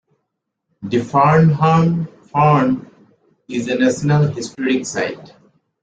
The Farnham Farm is a national historic site.